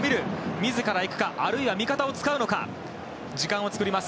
自ら行くかあるいは味方を使うのか時間を作ります。